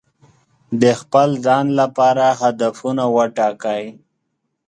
د خپل ځان لپاره هدفونه وټاکئ.